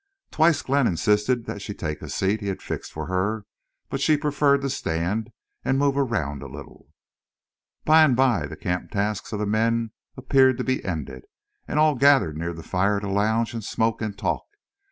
Twice Glenn insisted that she take a seat he had fixed for her, but she preferred to stand and move around a little. By and by the camp tasks of the men appeared to be ended, and all gathered near the fire to lounge and smoke and talk.